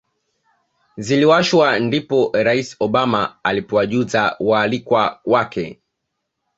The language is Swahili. ziliwashwa ndipo Rais Obama alipowajuza waalikwa wake